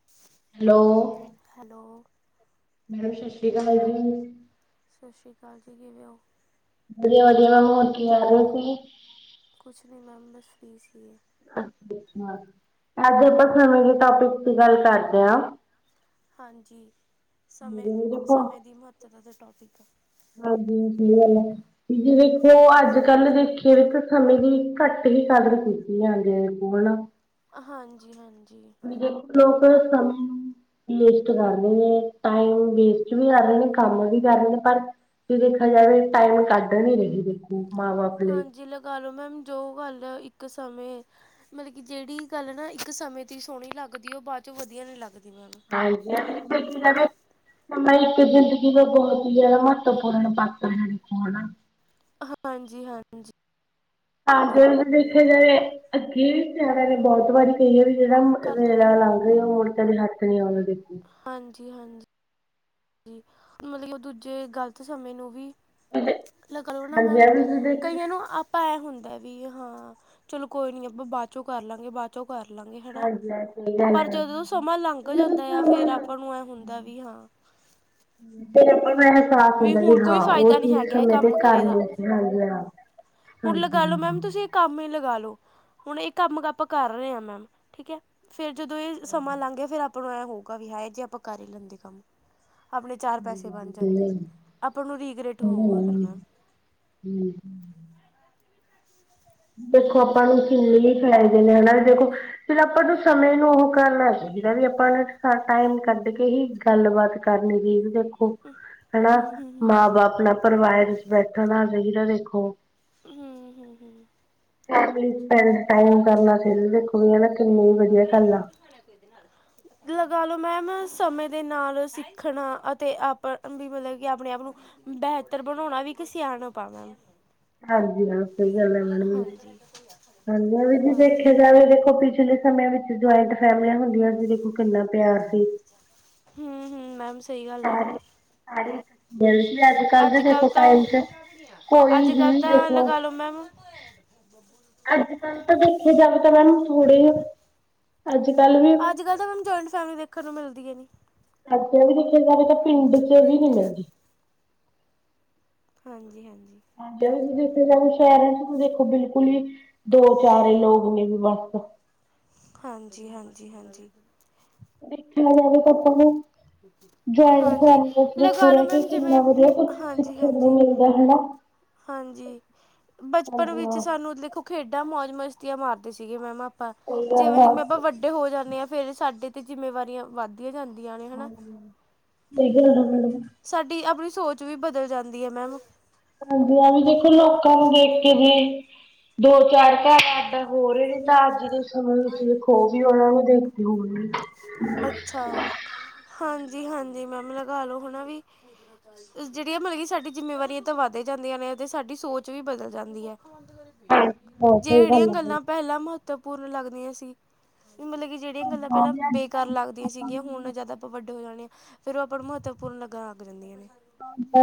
[inaudible] Hello hello madam ਸਸ ਸ੍ਰੀ ਕਾਲ ਜੀ। ਸਸ ਸ੍ਰੀ ਕਾਲ ਜੀ, ਕਿਵੇਂ ਹੋ? ਵਧੀਆ-ਵਧੀਆ ਮੈਮ ਹੋਰ ਕੀ ਕਰ ਰਹੇ ਸੀ। ਕੁਛ ਨੀ ਮੈਮ ਬਸ ਫ੍ਰੀ ਸੀ। ਅੱ ਅੱਛ ਅੱਜ ਆਪਾਂ ਸਮਾ ਦੇ ਟੋਪਿਕ ਤੇ ਗੱਲ ਕਰਦੇ ਆ। ਹਾਂਜੀ ਹਾਂਜੀ ਦੇਖੋ ਸਮੇਂ-ਸਮੇਂ ਦੀ ਮਹੱਤਤਾ ਦਾ ਟੋਪਿਕ। ਹਾਂਜੀ ਸਹੀ ਗੱਲ ਹੈ ਵੀ ਜੀ ਦੇਖੋ ਅੱਜ ਹਾਂਜੀ ਕੱਲ ਹੋਰ ਸੁਣਾਓ ਦੇਖੇ ਸਮੇਂ ਦੀ ਘੱਟ ਹੀ ਕਦਰ ਕੀਤੀ ਹੈ [unintelligible] ਹਾਂਜੀ ਹਾਂਜੀ। [unintelligible] ਲੋਕਕ ਕਮ ਵੇਸਟ ਕਰਨੇ ਨੇ ਟਾਈਮ ਵੇਸਟ ਵੀ ਕਰ ਰਹੇ ਨੇ ਕੰਮ ਵੀ ਕਰ ਰਹੇ ਨੇ ਪਰ ਦੇਖਿਆ ਜਾਵੇ ਟਾਈਮ ਕੱਢ ਨੀ ਰਹੀ ਦੀ ਫੂਕ ਮਾਰੋ ਹਾਂਜੀ ਲਗਾ ਲੋ ਮੈਮ ਜੋ ਗੱਲ ਇੱਕ ਸਮੇਂ ਮਤਬ ਕਿ ਜੇੜੀ ਗੱਲ ਨਾ ਇੱਕ ਸਮੇਂ ਤੇ ਸੋਹਣੀ ਲੱਗਦੀ ਉਹ ਬਾਅ ਚੋਂ ਵਧੀਆ ਨਹੀਂ ਲੱਗਦੀ। ਮੈਮ [unintelligible] [unintelligible] ਮੈਂ ਇੱਕ ਜ਼ਿੰਦਗੀ ਦਾ ਬਹੁਤ ਹੀ ਜ਼ਿਆਦਾ ਮਹੱਤਵਪੂਰਨ ਪਾਤਰ ਹਾਂ ਜੀ, ਹੋਰ ਨਾ ਹਾਂਜੀ, ਹਾਂਜੀ ਤਾਂ ਜੇ ਦੇਖਿਆ ਜਾਵੇ ਅੱਗੇ ਵੀ [unintelligible] ਨੇ ਬਹੁਤ ਵਾਰੀ ਕਹੀਏ ਵੀ ਜਿਹੜਾ ਕਰਤਾ ਮੇਰਾ ਵੀਰੇ [unintelligible] [unintelligible] ਮੋੜ ਕੇ ਵੀ ਲੱਕ ਨਹੀਂ ਆਉਂਦੀ ਹਾਂਜੀ ਹਾਂਜੀ ਜੀ, ਮਲਬ ਉਹ ਦੂਜੇ ਗ਼ਲਤ ਸਮੇ ਨੂੰ ਵੀ ਲੈ ਕਰੋ ਨਾ ਹਾਂਜੀ ਮੈਮ, ਮੈਂ ਇਹ ਵੀ ਤੁਸੀਂ ਕਈਆਂ ਦੇਖਿਆ ਨੂੰ ਅਪ ਭੈ ਹੁੰਦਾ ਵੀ ਹਾਂ, ਚਲੋ ਕੋਈ ਨੀ ਆਪਾਂ ਬਾਅ ਚੋਂ ਕਰ ਲਾਂਗੇ, ਬਾਅ ਚੋਂ ਕਰ ਲਾਂਗੇ, ਹਨਾ। ਹਾਂਜੀ ਇਹ ਸਹੀ ਗੱਲ ਪਰ ਹੈ। ਜਦੋਂ ਨਾ ਸਮਾਂ ਲੰਘ ਜਦੋਂ ਜਾਂਦਾ ਆ, ਫੇਰ ਸਮਾਂ ਆਪਾਂ ਨੂੰ ਇਹ ਹੁੰਦਾ ਵੀ ਹਾਂ ਹੂੰ ਵੇਲੇ ਪਰ ਇਹ ਅਹਿਸਾਸ ਹੁੰਦਾ ਵੀ ਹੁਣ ਕੋਈ ਹਾਂ ਉਹ ਫਾਇਦਾ ਨੀ ਚੀਜ਼ ਹੈਗਾ ਇਹ ਸਮੇਂ ਤੇ ਕੰਮ ਕਰੇ ਕਰਨ ਦਾ ਲੱਗੇ, ਹਾਂਜੀ ਹਾਂ ਹੁਣ ਹਾਂਜੀ ਲਗਾ ਲਓ ਮੈਮ ਹਾਂ। ਤੁਸੀਂ ਇਹ ਕੰਮ ਹੀ ਲਗਾਾ ਲੋ ਹੁਣ ਇਹ ਕੰਮ ਆਪਾਂ ਕਰ ਰਹੇ ਹਾਂ ਮੈਮ ਠੀਕ ਐ। ਫੇਰ ਜਦੋਂ ਇਹ ਸਮਾਂ ਲੰਘ ਗਿਆ, ਫੇਰ ਆਪਾਂ ਨੂੰ ਐ ਹੋਊਗਾ ਵੀ ਹਾ ਜੇ ਆਪਾਂ ਕਰ ਹੀ ਲੈਂਦੇ ਕੰਮ। ਆਪਣੇ ਚਾਰ ਪੈਸੇ ਬਣ ਜਾਂਦੇ ਹਾਂਜੀ ਆਪਾਂ ਨੂੰ ਰੀਗ੍ਰੈਟ ਹੋਊਗਾ ਫਿਰ ਮੈਮ। ਹੂੰ। ਦੇਖੋ ਆਪਾਂ ਨੂੰ ਕਿੰਨੇ ਹੀ ਫਾਇਦੇ ਨੇ ਹਨਾ, ਦੇਖੋ ਫਿਰ ਆਪਾਂ ਨੂੰ ਪਾਸਵਰਡ ਸਮੇਂ ਨੂੰ ਉਹ ਕਰਨਾ ਚੀਏ ਜਦੀ ਆਪਾਂ ਅਲੱਗ ਸਾ ਹੀ ਟਾਈਮ ਕੱਢ ਕੇ ਹੀ ਗੱਲਬਾਤ ਕਰਨ ਦੀ ਜਰੁ ਹੁ, ਹਨਾ ਹਮ ਹਮ ਹਮ ਮਾਂ ਬਾਪ ਆਪਣਾ ਪਰਿਵਾਰ ਵਿੱਚ ਬੈਠਣਾ ਚਾਹੀਦਾ ਦੇਖੋ। ਹੂ ਹੂ ਹੂ ਫੈਮਲੀ ਚ ਟਾਈਮ ਸਪੈਂਡ ਕਰਨਾ ਸੁ ਦੇਖੋ ਵੀ ਹਨਾ ਕਿੰਨੀ ਵਧੀਆ ਗੱਲ ਆ। ਨਾਲ ਲਗਾ ਲਓ ਮੈਮ ਸਮੇਂ ਦੇ ਨਾਲ ਸਿੱਖਣਾ ਅਤੇ ਆਪ ਵੀ ਮਤਲਬ ਕਿ ਆਪਣੇ ਆਪ ਨੂੰ ਬੇਹਤਰ ਬਣਾਣਾ ਵੀ ਕਿਸ ਸਿਆਨਪ ਐ ਮੈਮ। ਹਾਂਜੀ ਹਾਂ ਸਹੀ ਗੱਲ ਐ ਮੈਮ ਹਾਂਜੀ ਹਾਂਜੀ, ਵੀ ਹਾਂਜੀ ਦੇਖਿਆ ਜਾਵੇ ਦੇਖੋ ਪਿਛਲੇ ਸਮੇਆਂ ਵਿੱਚ ਜੁਆਇੰਟ ਫੈਮਲੀਆਂ ਹੁੰਦੀਆਂ ਸੀ, ਦੇਖੋ ਕਿੰਨਾ ਪਿਆਰ ਸੀ। ਹੂ ਹੂ, ਮੈਮ ਸਹੀ ਗੱਲ ਆ ਸਾਰੇ ਸਾਰੇ ਬਲਕਿ ਅੱਜ ਕੱਲ ਦੇ ਦੇਖੋ ਕੱਲ੍ਹ ਤਾਂ ਟਾਈਮ ਚ ਕੋਈ ਅੱਜ ਹੀ ਕੱਲ੍ਹ ਤਾਂ ਦੇਖੋ ਲਗਾ ਲਓ ਮੈਮ ਅੱਜ ਕੱਲ ਤਾਂ ਦੇਖਿਆ ਜਾਵੇ ਤਾਂ ਮੈਮ ਥੋੜ੍ਹੇ ਅੱਜ ਕੱਲ ਵੀ ਜਦੋਂ ਸਾਨੂੰ ਜੁਆਇੰਟ ਫੈਮਲੀ ਦੇਖਣ ਨੂੰ ਮਿਲਦੀਆ ਮੇ। ਅੱਜ ਇਹ ਦੇਖਿਆ ਜਾਵੇ ਤਾਂ ਪਿੰਡ ਚ ਵੀ ਨੀ ਮਿਲਦੀ। ਹਾਂਜੀ ਹਾਂਜੀ। [unintelligible] ਸ਼ਹਿਰ ਦੇਖੋ ਬਿਲਕੁਲ ਹੀ ਦੋ ਚਾਰੇ ਲੋਕ ਨੇ ਵੀ ਬਸ ਹਾਂਜੀ, ਹਾਂਜੀ, ਹਾਂਜੀ। ਦੇਖਿਆ ਜਾਵੇ ਤਾਂ ਪਲੋਂ ਜੁਆਇੰਟ ਹਾਂਜੀ ਫੈਮਲੀਆਂ ਵਿੱਚ ਵੇਖੋ ਲਗਾ ਲਓ ਰਹਿ ਕੇ ਮੈਮ ਜਿਵੇਂ ਕਿੰਨਾ ਵਧੀਆ ਕੁੱਛ ਹਾਂਜੀ ਸਿੱਖਣ ਨੂੰ ਹਾਂਜੀ ਮਿਲ ਵੈਹੇ ਨਾ ਹਾਂਜੀ ਬਚਪਨ ਹਾਂਜੀ ਵਿੱਚ ਹਾਂ ਸਾਨੂੰ ਦੇਖੋ ਖੇਡਾਂ ਮੌਜ ਮਸਤੀਆਂ ਮਾਰਦੇ ਸੀਗੇ ਮੈਮ ਅ ਆਪਾਂ ਸਹੀ ਗੱਲ ਆ ਜਿਵੇਂ-ਜਿਵੇਂ ਆਪਾਂ ਸਹੀ ਵੱਡੇ ਹੋ ਜਾਂਦੇ ਹਾਂ ਫਿਰ ਸਾਡੇ ਤੇ ਜਿੰਮੇਵਾਰੀਆਂ ਵੱਧਦੀਆਂ ਜਾਂਦੀਆਂ ਨੇ। ਹਨਾ। [inaudible] ਸਾਡੀ ਆਪਣੀ ਸੋਚ ਵੀ ਬਦਲ ਜਾਂਦੀ ਏ ਮੈਮ ਹਾਂਜੀ ਹੀ ਵੀ ਦੇਖੋ ਲੋਕਾਂ ਨੂੰ ਦੇਖ ਕੇ ਜੇ ਦੋ ਚਾਰ ਘੰਟਿਆ ਬੋਲ ਹੀ ਨਈ ਸਕਦੀ। ਦੇਖੋ ਵੀ ਉਹਨਾਂ ਨੂੰ ਦੇਤੀ ਹੋਣੀ। ਹਾਂਜੀ-ਹਾਂਜੀ ਮੈਮ ਲੱਗਾ ਲੋ ਹਨਾ ਵੀ ਜੇੜੀਆਂ ਮਤਲਬ ਕਿ ਸਾਡੀ ਜਿੰਮੇਵਾਰੀਆਂ ਤਾਂ ਵੱਧ ਜਾਂਦੀਆਂ ਨੇ ਤੇ ਸਾਡੀ ਸੋਚ ਵੀ ਬਦਲ ਜਾਂਦੀ ਐ। ਆਉਂਦੀ ਵਾਰੀ ਬਹੁਤ ਸਹੀ ਜੇੜੀਆਂ ਗੱਲ ਆ ਬਾਈ। ਗੱਲਾਂ ਪੈਲਾਂ ਮਹੱਤਵਪੂਰਨ ਲੱਗਦੀਆਂ ਸੀ ਮਤਲਬ ਕਿ ਜੇੜੀਆਂ ਗੱਲਾਂ ਪੈਲਾਂ ਬੇਕਾਰ ਲੱਗਦੀਆਂ ਸੀਗੀਆਂ ਹੁਣ ਜਾਦਾ ਆਪਾਂ ਵੱਡੇ ਹੋ ਜਾਣੇ ਆ ਫਿਰ ਉਹ ਆਪਾਂ ਮਹੱਤਵਪੂਰਨ ਲੱਗਾਂ ਗਾ ਕਰਾਂਦੀਆਂ ਨੇ।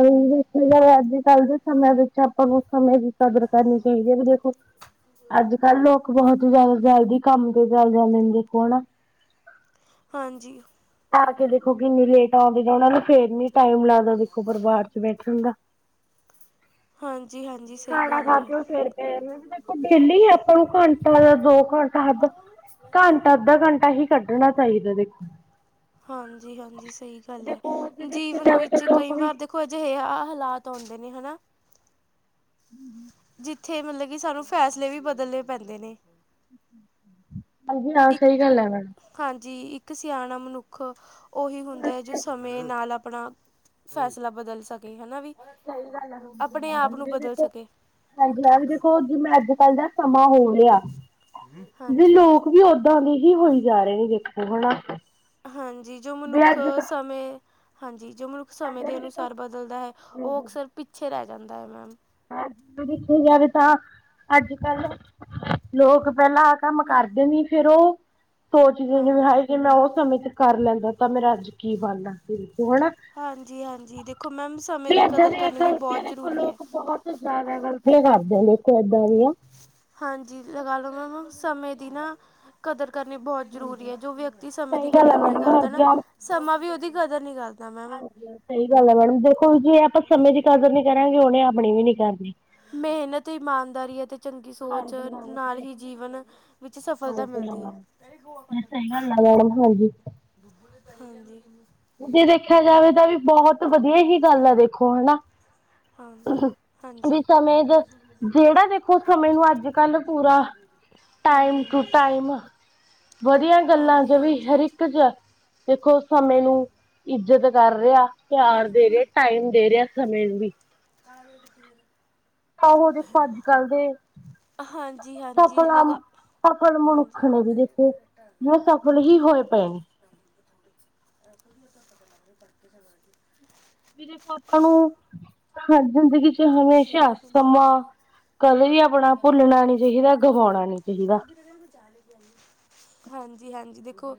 ਵੀ ਦੇਖਿਆ ਜਾਵੇ ਅੱਜ ਕੱਲ੍ਹ ਦੇ ਸਮਿਆਂ ਵਿੱਚ ਆਪਾਂ ਨੂੰ ਸਮੇਂ ਦੀ ਕਦਰ ਕਰਨੀ ਚਾਹੀਦੀ ਹੈ ਵੀ ਦੇਖੋ ਅੱਜ ਕੱਲ ਲੋਕ ਬਹੁਤ ਜਾਦਾ ਚਲਦੀ ਕੰਮ ਤੇ ਚਲ ਜਾਂਦੇ ਨੇ ਦੇਖੋ ਹਨਾ। ਹਾਂਜੀ ਆ ਕੇ ਦੇਖੋ ਕਿੰਨੀ ਲੇਟ ਆਉਂਦੀ ਹੈ ਉਹਨਾ ਨੂੰ ਫੇਰ ਨੀ। ਟਾਈਮ ਲੱਗਦਾ ਦੇਖੋ ਪਰਿਵਾਰ 'ਚ ਬੈਠਣ ਦਾ ਹਾਂਜੀ ਹਾਂਜੀ ਸਹੀ ਖਾਣਾ ਗੱਲ ਖਾ ਹੈ ਕੇ ਓ ਫਿਰ ਗਏ ਨੇ ਦੇਖੋ ਡੇਲੀ ਆਪਾਂ ਨੂੰ ਘੰਟਾ ਦਾ ਦੋ ਘੰਟ ਅਧਾ ਘੰਟਾ ਅੱਧਾ ਘੰਟਾ ਹੀ ਕੱਢਣਾ ਚਾਹੀਦਾ ਦੇਖੋ ਹਾਂਜੀ-ਹਾਂਜੀ ਸਈ ਗੱਲ ਜੇ ਹੈ ਦੇਖਿਆ ਜੀਵਨ ਜਾਵੇ ਤਾਂ ਵਿੱਚ ਲੋਕ ਕਈ ਵੀ ਵਾਰ ਦੇ ਖੋ ਅਜਿਹੇ ਹਾਲਾਤ ਆਉਂਦੇ ਨੇ ਹਨਾ ਜਿੱਥੇ ਇੱਥੇ ਮਤਲਬ ਕਿ ਸਾਨੂੰ ਫੈਸਲੇ ਵੀ ਬਦਲਣੇ ਪੈਂਦੇ ਨੇ। ਹਾਂਜੀ ਹਾਂ ਸਈ ਇੱਕ ਗੱਲ ਹੈ ਮੈਡਮ ਹਾਂਜੀ ਇੱਕ ਸਿਆਣਾ ਮਨੁੱਖ ਉਹੀ ਹੁੰਦਾ ਹੈ ਜੋ ਸਮੇਂ ਨਾਲ ਆਪਣਾ ਫੈਸਲਾ ਬਦਲ ਸਕੇ ਹਨਾ ਵੀ ਸਈ ਗੱਲ ਆ ਆਪਣੇ ਆਪ ਨੂੰ ਬਦਲ ਦੇਖੋ ਸਕੇ ਹਾਂਜੀ ਹਾਂ ਵੀ ਦੇਖੋ। ਜਿ ਮੈਂ ਅੱਜ ਕੱਲ੍ਹ ਦਾ ਸਮਾਂ ਹੋਣ ਲਿਆ ਵੀ ਹਾਂਜੀ ਲੋਕ ਵੀ ਓਦਾਂ ਦੀ ਹੀ ਹੋਈ ਜਾ ਰਏ ਨੇ ਜਖੋ ਹਨਾ। ਹਾਂਜੀ ਜੋ ਮਨੁੱਖ ਸਮੇਂ ਹਾਂਜੀ ਜੋ ਮਨੁੱਖ ਸਮੇਂ ਦੇ ਅਨੁਸਾਰ ਬਦਲਦਾ ਹੈ ਓ ਅਕਸਰ ਪਿੱਛੇ ਰਹਿ ਜਾਂਦਾ ਹੈ ਮੈਮ ਅ ਦੇਖਿਆ ਜਾਵੇ ਤਾਂ ਅੱਜ ਕੱਲ ਲੋਕ ਪੈਲਾਂ ਆ ਕੰਮ ਕਰਦੇ ਨੀ ਫਿਰ ਓ ਸੋਚਦੇ ਨੇ ਵੀ ਹਾਂਜੀ ਹਏ ਜੇ ਮੈਂ ਓ ਸਮੇਂ 'ਚ ਕਰ ਲੈਂਦਾ ਤਾਂ ਮੇਰਾ ਅੱਜ ਕੀ ਬਣਦਾ ਸੀ ਹਨਾ। ਹਾਂਜੀ-ਹਾਂਜੀ ਦੇਖੋ ਮੈਮ ਸਮੇਂ ਵੀ ਦੀ ਏਦਾਂ ਕਦਰ ਦੀਆਂ ਕਰਨੀ ਵੀ ਗ਼ਲਤੀਆਂ ਬੋਤ ਦੇਖੋ ਜ਼ਰੂਰੀ ਐ। ਲੋਕ ਬਹੁਤ ਜਾਦਾ ਗਲਤੀਆਂ ਕਰਦੇ ਦੇਖੋ ਏਦਾਂ ਦੀਆਂ ਹਾਂਜੀ ਲਗਾ ਲਓ ਮੈਮ ਸਮੇਂ ਦੀ ਨਾ ਕਦਰ ਕਰਨੀ ਬਹੁਤ ਜ਼ਰੂਰੀ ਹੈ ਜੋ ਵਿਅਕਤੀ ਸਮੇਂ ਸਹੀ ਦੀ ਗੱਲ ਹੈ ਕਦਰ ਨਈ ਮੈਡਮ ਕਰਦਾ ਨਾ ਹਾਂਜੀ ਆਪ ਸਮਾਂ ਵੀ ਉਹਦੀ ਕਦਰ ਨਈ ਕਰਦ ਹਾਂਜੀ ਸਈ ਗੱਲ ਐ ਮੈਡਮ ਦੇਖੋ ਜੇ ਆਪਾਂ ਸਮੇਂ ਦੀ ਕਦਰ ਨੀ ਕਰਾਂਗੇ ਉਹਨੇ ਆਪਣੀ ਵੀ ਨੀ ਕਰਨੀ। ਮਿਹਨਤ ਇਮਾਨਦਾਰੀ ਅਤੇ ਚੰਗੀ ਸੋਚ ਹਾਂਜੀ ਹਾਂ ਨਾਲ ਸਹੀ ਹੀ ਜੀਵਨ ਵਿੱਚ ਸਫਲਤਾ ਹਾਂਜੀ ਮਿਲਦੀ ਐ ਹਾਂ ਕੈਂਦੀ ਫੋਨ ਕੱਟ ਦੋ। ਸਹੀ ਗੱਲ ਹੈ ਮੈਡਮ ਹਾਂਜੀ। ਹਾਂਜੀ ਜੇ ਦੇਖਿਆ ਜਾਵੇ ਤਾਂ ਵੀ ਬਹੁਤ ਵਧੀਆ ਹੀ ਗੱਲ ਆ ਦੇਖੋ ਹਨਾ। ਹਾਂਜੀ ਵੀ ਹਾਂਜੀ ਸਮੇਂ ਦਾ ਜੇੜਾ ਦੇਖੋ ਸਮੇਂ ਨੂੰ ਅੱਜ ਕੱਲ ਪੂਰਾ ਹੂੰ ਟਾਈਮ ਹੂੰ ਟੂ ਹੂੰ ਟਾਈਮ ਵਧੀਆ ਗੱਲਾਂ ਹਾਂਜੀ ਚ ਵੀ ਹਰ ਹਾਂਜੀ ਇੱਕ ਦੇਖੋ ਸਮੇਂ ਨੂੰ ਇੱਜਤ ਕਰ ਰਿਆ ਤੂੰ ਪਿਆਰ ਕਿੱਥੇ ਦੇ ਰਿਆ ਬੈਠੀ? ਟਾਈਮ ਦੇ ਰਿਆ ਸਮੇਂ ਨੂੰ ਵੀ। [inaudible] ਆਹੋ ਦੇਖੋ ਅੱਜ-ਕੱਲ ਦੇ ਹਾਂਜੀ-ਹਾਂਜੀ ਸਫਲਾ ਲਗਾ ਸਫਲ ਮਨੁੱਖ ਹਾਂਜੀ ਨੇ ਵੀ ਦੇਖੋ ਜੋ ਸਫਲ ਹੀ ਹੋਏ ਪਏ ਨੇ। [inaudible] ਵੀੇਰੇ ਆਪਾਂ ਨੂੰ ਜ਼ਿੰਦਗੀ ਚ ਨਹੀਂ ਹਮੇਸ਼ਾ ਤਾਂ ਸਮਝ ਸਮਾਂ ਨਹੀਂ ਕਦੇ ਵੀ ਆਪਣਾ ਭੁੱਲਣਾ ਨੀ ਚਾਹੀਦਾ ਗਵਾਉਣਾ ਨਹੀਂ ਚਾਹੀਦਾ। [inaudible] ਹਾਂਜੀ-ਹਾਂਜੀ ਦੇਖੋ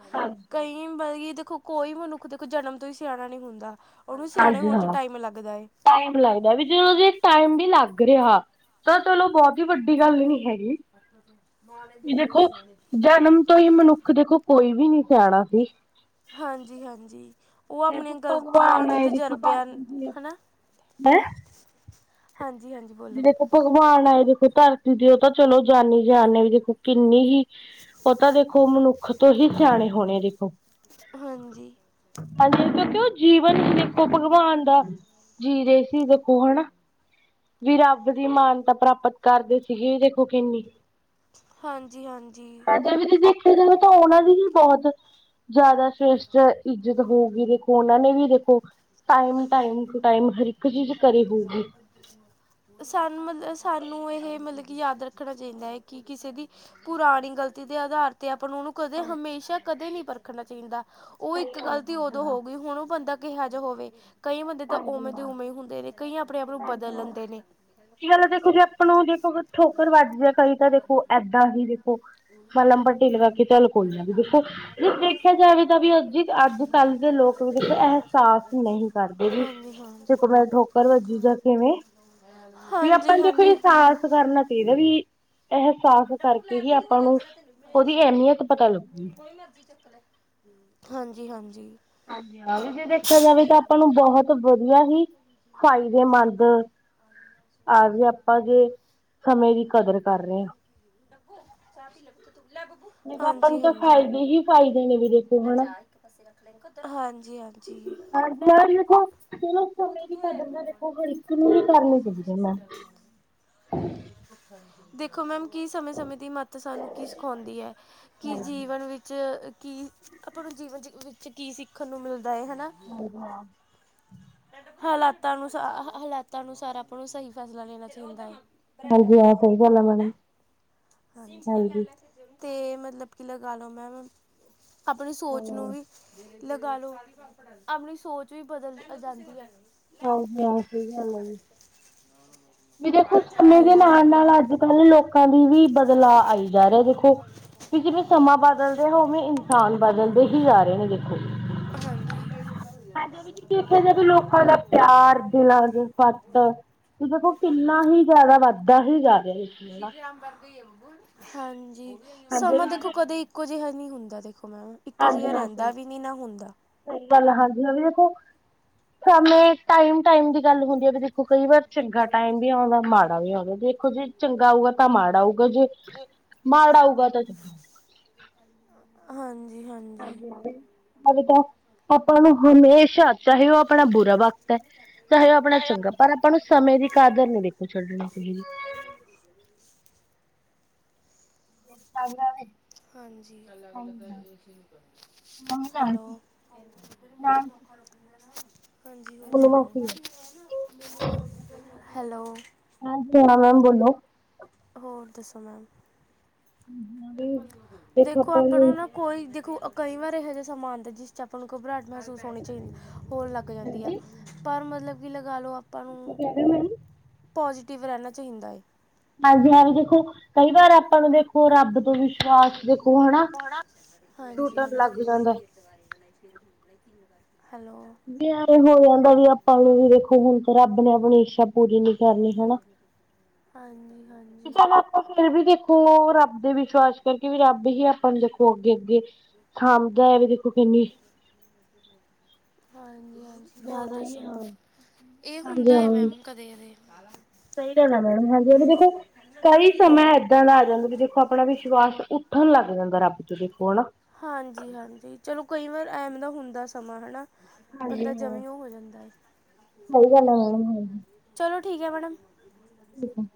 ਕਈ ਮਤਬ ਕਿ ਦੇਖੋ ਕੋਈ ਮਨੁੱਖ ਦੇਖੋ ਜਨਮ ਤੋਂ ਈ ਸਿਆਣਾ ਨਹੀਂ ਹੁੰਦਾ। ਓਨੂੰ ਸਿਆਣੇ ਹਾਂਜੀ ਹੋਣ 'ਚ ਹਾਂ ਟਾਈਮ ਲੱਗਦਾ ਏ। ਟਾਈਮ ਲੱਗਦਾ ਵੀ ਜਦੋਂ ਟਾਈਮ ਵੀ ਲੱਗ ਰਿਹਾ। ਤਾਂ ਚਲੋ ਬੋਤ ਈ ਵੱਡੀ ਗੱਲ ਨੀ ਹੈਗੀ। ਮਾੜੇ ਦੇ ਤੁਸੀਂ ਸਿਆਣੇ। ਕਈ ਮਨੁੱਖ ਦੇਖੋ ਕੋਈ ਵੀ ਨਈ ਸਿਆਣਾ ਸੀ। ਹਾਂਜੀ-ਹਾਂਜੀ। ਓ ਸਿਰਫ ਆਪਣੀਆਂ ਗਲਤੀਆਂ ਭਗਵਾਨ ਤੇ ਆਏ ਦੇਖੋ ਤਜਰਬੇ ਧਰਤੀ ਤੇ ਹਨਾ? ਹੈਂ। ਹਾਂਜੀ-ਹਾਂਜੀ ਵੀ ਬੋਲੋ? ਦੇਖੋ ਭਗਵਾਨ ਆਏ ਦੇਖੋ ਧਰਤੀ ਦੇਓ ਤਾਂ ਚਲੋ ਜਾਨੀ ਜਾਨ ਨੇ ਵੀ ਦੇਖੋ ਕਿੰਨੀ ਹੀ ਓਤਾਂ ਦੇਖੋ ਮਨੁੱਖ ਤੋਂ ਹੀ ਸਿਆਣੇ ਹੋਣੇ ਦੇਖੋ। ਹਾਂਜੀ। ਹਾਂਜੀ ਕਿਉਂਕਿ ਓ ਜੀਵਨ ਈ ਦੇਖੋ ਭਗਵਾਨ ਦਾ ਜੀ ਰਹੇ ਸੀ ਦੇਖੋ ਹਨਾ। ਵੀ ਰੱਬ ਦੀ ਮਾਨਤਾ ਪ੍ਰਾਪਤ। ਕਰਦੇ ਸੀਗੇ ਦੇਖੋ ਕਿੰਨੀ। ਹਾਂਜੀ ਹਾਂਜੀ ਵਿੱਚ ਦੇਖਿਆ ਜਾਵੇ ਤਾਂ ਓਨਾਂ ਦੀ ਹੀ ਬਹੁਤ ਜ਼ਿਆਦਾ ਸ੍ਰੇਸ਼ਟ ਇੱਜਤ ਹੋਊਗੀ ਦੇ ਓਨਾਂ ਨੂੰ ਵੀ ਦੇਖੋ ਟਾਈਮ-ਟਾਈਮ ਟੂ ਟਾਈਮ ਹਰ ਇੱਕ ਚੀਜ਼ ਕਰੀ ਹੋਊਗੀ। ਸਾਨੂੰ ਮਤਲਬ ਸਾਨੂੰ ਏਹੇ ਮਤਲਬ ਕਿ ਯਾਦ ਰੱਖਣਾ ਚਾਹੀਦਾ ਹੈ ਕਿ ਕਿਸੇ ਦੀ ਪੁਰਾਣੀ ਗ਼ਲਤੀ ਦੇ ਆਧਾਰ ਤੇ ਆਪਾਂ ਨੂੰ ਓਨੂੰ ਕਦੇ ਹਮੇਸ਼ਾ ਕਦੇ ਨਹੀਂ ਪਰਖਣਾ ਚਾਹੀਦਾ ਓ ਇੱਕ ਗੱਲਤੀ ਉਦੋਂ ਹੋ ਗਈ ਹੁਣ ਓ ਬੰਦਾ ਕਿਹਾ ਜਾ ਹੋਵੇ ਕਈ ਬੰਦੇ ਤਾਂ ਉਵੇਂ ਦੇ ਉਵੇਂ ਹੁੰਦੇ ਨੇ ਕਈ ਆਪਣੇ ਆਪ ਨੂੰ ਬਦਲ ਲੈਂਦੇ ਨੇ। ਗੱਲ ਦੇਖੋ ਜਾਂ ਆਪਾਂ ਨੂੰ ਦੇਖੋ ਠੋਕਰ ਵੱਜ ਜਾਏ ਕਈ ਤਾਂ ਦੇਖੋ ਇਦਾ ਈ ਦੇਖੋ ਮਲਮ ਪੱਟੀ ਲਵਾ ਕੇ ਚਲ ਕੋਈ ਨਾਂ ਵੀ ਦੇਖੋ ਜੇ ਦੇਖਿਆ ਜਾਵੇ ਤਾਂ ਵੀ ਅੱਜ-ਅੱਜ ਕੱਲ ਦੇ ਲੋਕ ਵੀ ਕਿਤੇ ਅਹਿਸਾਸ ਨਹੀਂ ਕਰਦੇ। ਹਾਂਜੀ ਹਾਂਜੀ ਦੇਖੋ ਮੈਂ ਠੋਕਰ ਵੱਜੀ ਜਾ ਕਿਵੇਂ ਵੀ ਆਪਾਂ ਹਾਂਜੀ ਹਾਂਜੀ ਦੇਖੋ ਹਾਂਜੀ ਇਹਸਾਸ ਕਰਨਾ ਤੇਰਾ ਵੀ ਐਹੇ। ਡੱਬੂ ਲੈ ਪੁੱਤ ਹੋਜਾ ਖੜਾ ਤੈਨੂੰ ਉਹਦੀ ਅਹਿਮੀਅਤ ਮ ਪਤਾ ਲੱਗੂਗੀ। ਕੋਈ ਮਰਜੀ ਚੁੱਕ ਲੇ। ਹਾਂਜੀ-ਹਾਂਜੀ। ਹਾਂਜੀ ਜੇ ਦੇਖਿਆ ਜਾਵੇ ਤਾਂ ਆਪਾਂ ਨੂੰ ਬਹੁਤ ਵਧੀਆ ਹੀ ਸਫਾਈ ਦੇ ਮੰਦ ਆਵੀ ਆਪਾਂ ਜੇ ਸਮੇਂ ਦੀ ਕਦਰ ਕਰ ਰਏ ਆ। ਡੱਬੂ ਚਾਅ ਪੀ ਲੈ ਪੁੱਤ ਤੂੰ ਲੈ ਬੱਬੂ। ਮੈਂ ਕੇਹਾ ਆਪਾਂ ਨੂੰ ਤਾਂ ਫਾਇਦੇ ਹੀ ਫਾਇਦੇ ਨੇ ਦੇਖ ਹਾਂਜੀ-ਹਾਂਜੀ। ਮੈਮ ਦੇਖੋ, ਚਲੋ ਸਮੇਂ ਦੀ ਕਦਰ ਮੈ ਦੇਖੋ ਹਰ ਇੱਕ ਨੂੰ ਹੀ ਕਰਨੀ ਚਾਈਦੀ ਐ ਮੈ [unintelligible] ਦੇਖੋ, ਮੈਮ ਕੀ ਸਮੇਂ -ਸਮੇਂ ਦੀ ਮੱਤ ਸਾਨੂੰ ਕੀ ਸਿਖਾਉਂਦੀ ਐ, ਕਿ ਹਾਂਜੀ ਜੀਵਨ ਵਿੱਚ ਚ, ਕਿ ਆਪਾਂ ਨੂੰ ਜੀਵਨ ਚ, ਵਿੱਚ, ਕੀ ਸਿੱਖਣ ਨੂੰ ਮਿਲਦਾ ਏ, ਹੈਨਾ। ਹਾਂਜੀ, ਹਾਂ। ਹਾਲਾਤਾਂ ਅਨੁਸਾ, ਹਾਲਾਤਾਂ ਅਨੁਸਾਰ ਆਪਾਂ ਨੂੰ ਸਈ ਫੈਸਲਾ ਲੈਣਾ ਚਾਈਦਾ ਏ। [unintelligible] ਹਾਂਜੀ ਤੇ, ਮਤਲਬ ਕੀ ਲਗਾ ਲੋ ਮੈਮ, ਆਪਣੀ ਸੋਚ ਨੂੰ ਹਾਂ ਵੀ ਲਗਾ ਲੋ, ਆਪਣੀ ਸੋਚ ਵੀ ਬਦਲ ਅ ਜਾਂਦੀ ਐ। ਹਾਂਜੀ ਹਾਂ, ਸਈ ਗੱਲ ਐ ਜੀ। ਨਾ [unintelligible] ਵੀ, ਦੇਖੋ ਸਮੇਂ ਦੇ ਨਾਲ- ਨਾਲ, ਅੱਜ- ਕੱਲ੍ਹ ਲੋ ਲੋਕਾਂ ਦੀ ਵੀ, ਬਦਲਾਅ ਆਈ ਜਾ ਰਿਆ ਦੇਖੋ। ਕਿ ਜਿਵੇਂ, ਸਮਾਂ ਬਦਲ ਰੇਹਾ ਉਵੇਂ ਇਨਸਾਨ ਬਦਲਦੇ ਹੀ ਜਾ ਰਹੇ ਨੇ, ਦੇਖੋ। ਹਾਂਜੀ। ਹਾਂਜੀ ਵੀ ਜੀ ਦੇਖਿਆ ਜਾਵੇ ਲੋਕਾਂ ਦਾ [unintelligible] ਤੇ, ਦੇਖੋ ਕਿੰਨਾ ਹੀ ਜਾਦਾ ਵੱਧਦਾ ਹੀ ਜਾ ਰਿਆ। ਹਾਂਜੀ, ਹਾਂਜੀ ਸਮਾਂ ਵੀ ਦੇਖੋ, ਜੀ ਕਦੇ ਇਕੋ ਜੇਹਾ ਨਈ ਹੁੰਦਾ ਦੇਖੋ, ਮੈਮ ਇੱਕੋ ਹਾਂਜੀ, ਜਿਹਾ ਹਾਂ ਰਹਿੰਦਾ ਸਈ। ਵੀ ਨਹੀਂ ਨਾ ਹੁੰਦਾ। ਗੱਲ, ਹਾਂਜੀ ਹਾਂ ਦੇਖੋ ਸਮੇਂ ਟਾਈਮ -ਟਾਈਮ ਦੀ ਗੱਲ ਹੁੰਦੀ ਐ, ਬੀ ਦੇਖੋ ਕਈ ਵਾਰ ਚੰਗਾ ਟਾਈਮ ਵੀ ਆਉਂਦਾ, ਮਾੜਾ ਵੀ ਆਂਦਾ ਦੇਖੋ ਜੇ ਚੰਗਾ ਆਊਗਾ, ਤਾਂ ਮਾੜਾ ਆਊਗਾ ਜੇ ਮਾੜਾ ਆਊਗਾ, ਤਾਂ ਚੰਗਾ। ਹਾਂਜੀ- ਹਾਂਜੀ। ਤਾਂ, ਬੇਟਾ ਆਪਾਂ ਨੂੰ ਹਮੇਸ਼ਾ ਚਾਹੇ ਓ ਆਪਣਾ ਬੁਰਾ ਵਕਤ ਐ ਚਾਹੇ ਓ ਆਪਣਾ ਚੰਗਾ, ਪਰ ਆਪਾਂ ਨੂੰ ਸਮੇਂ ਦੀ ਕਦਰ ਨੀ ਦੇਖੋ ਛੱਡਣੀ ਚਾਹੀਦੀ। [unintelligible] [inaudible] ਹਾਂਜੀ, ਹੈਲੋ। ਹਾਂਜੀ ਹੋਰ ਬੋਲੋ ਸੁਨਾਓ? ਮਾਸੀ ਹੈਲੋ ਹਾਂਜੀ ਹਾਂ, ਮੈਮ ਬੋਲੋ। ਹੋਰ ਦੱਸੋ ਮੈਮ? ਦੇਖੋ ਆਪਾਂ ਨੂੰ ਨਾ, ਕੋਈ ਦੇਖੋ ਕਈ ਵਾਰ ਏਹੋ ਜੇਹਾ ਸਮਾਂ ਆਂਦਾ ਜਿਸ 'ਚ ਆ ਆਪਾਂ ਨੂੰ ਘਬਰਾਟ ਮੇਹਸੂਸ ਹੋਣੀ ਚਾਈ ਹੋਰ ਲੱਗ ਜਾਂਦੀ ਆ ਪਰ, ਮਤਲਬ ਕਿ ਲਗਾ ਲਓ ਆਪ ਕੀ, ਕੇਹ ਰਏ ਓ ਮੈਨੂੰ? ਪੋਜੀਟਿਵ ਰੈਹਨਾ ਚਾਈਂਦਾ ਏ। ਹਾਂਜੀ ਹਾਂ, ਵੀ ਦੇਖੋ ਕਈ ਵਾਰ ਆਪਾਂ ਨੂੰ ਦੇਖੋ, ਰੱਬ ਤੋਂ ਵਿਸ਼ਵਾਸ ਦੇਖੋ ਹਨਾ ਹਾਂਜੀ ਟੁੱਟਣ -ਹਾਂਜੀ। ਲੱਗ ਜਾਂਦਾ। ਹੈਲੋ। ਵੀ ਐ ਹੋ ਜਾਂਦਾ ਵੀ, ਆਪਾਂ ਨੂੰ ਵੀ ਦੇਖੋ ਹੁਣ ਤਾਂ, ਰੱਬ ਨੇ ਆਪਣੀ ਇੱਛਾ ਪੂਰੀ ਨੀ ਕਰਨੀ ਹੈਨਾ। ਹਾਂਜੀ- ਹਾਂਜੀ। ਆਪਾਂ ਫੇਰ ਵੀ ਦੇਖੋ, ਰੱਬ ਦੇ ਵਿਸ਼ਵਾਸ ਕਰਕੇ ਵੀ, ਰੱਬ ਹੀ ਆਪਾਂ ਦੇਖੋ ਅੱਗੇ -ਅੱਗੇ ਹਾਂਜੀ -ਹਾਂਜੀ। ਹੋਰ ਜ਼ਿਆਦਾ ਹੀ ਦੱਸੋ, ਹਾਂਜੀ ਏਹ ਹੁੰਦਾ ਐ, ਮੈਮ ਕਦੇ- ਕਦੇ। ਸਈ ਗੱਲ ਐ ਮੈਡਮ ਹਾਂਜੀ, ਓ ਦੇਖੋ ਕਈ ਸਮਾਂ ਇੱਦਾਂ ਦਾ ਆ ਜਾਂਦਾ ਬੀ ਦੇਖੋ ਆਪਣਾ ਵਿਸ਼ਵਾਸ ਉੱਠ ਉੱਠਣ ਲੱਗ ਜਾਂਦਾ ਰਾਤ ਤੁਸੀ ਕੋਲ ਹਾਂਜੀ ਹਾਂਜੀ ਚਲੋ ਕਈ ਵਾਰ ਐਮ ਦਾ ਹੁੰਦਾ ਸਮਾਂ ਹਨਾ ਹਾਂਜੀ ਬੰਦਾ ਹਾਂ। ਜਮੀ ਓ ਹੋ ਜਾਂਦਾ ਏ ਸਹੀ ਗੱਲ ਐ ਮੈਡਮ ਹਾਂਜੀ ਚਲੋ ਠੀਕ ਐ ਮੈਡਮ [inaudible]